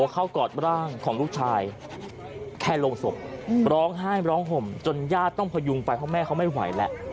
กอดร่างของลูกชายแค่ลงศพร้องไห้ร้องห่มจนญาติต้องพยุงไปเพราะแม่เขาไม่ไหวแล้ว